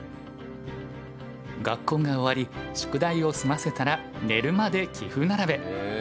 学校が終わり宿題を済ませたら寝るまで棋譜並べ。